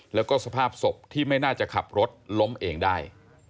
แล้วก็สภาพศพที่ไม่น่าจะขับรถล้มเองได้